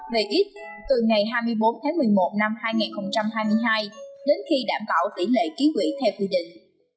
về ít từ ngày hai mươi bốn tháng một mươi một năm hai nghìn hai mươi hai đến khi đảm bảo tỷ lệ ký quỷ theo quy định